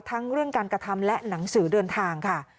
ทั้งเรื่องการกระทำและหนังสือเดินทางค่ะ